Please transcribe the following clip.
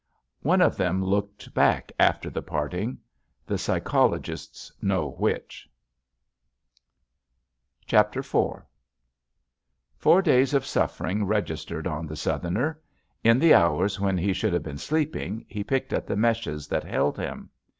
One of them looked back, after the part ing. The psychologists know which. J^ JUST SWEETHEARTS ^ Chapter IV I'^OUR days of suffering registered on ^ the Southerner. In the hours when he should have been sleeping, he picked at the meshes that held him.